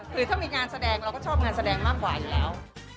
คือถ้ามีงานแสดงเราก็ชอบงานแสดงมากกว่าอยู่แล้ว